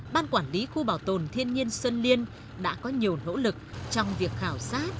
ban quản lý khu bảo tồn thiên nhiên xuân liên đã có nhiều nỗ lực trong việc khảo sát